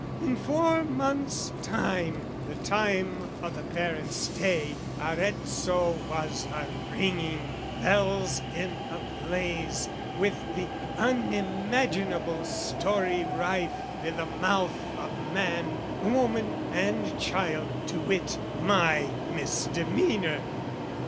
In four months' time, the time o' the parents' stay, Arezzo was a ringing, bells in a blaze, With the unimaginable story rife I' the mouth of man, woman, and child to wit My misdemeanour.